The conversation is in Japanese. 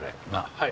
はい。